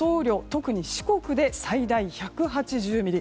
特に四国で最大１８０ミリ。